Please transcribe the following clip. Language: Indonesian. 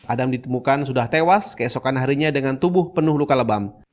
adam ditemukan sudah tewas keesokan harinya dengan tubuh penuh luka lebam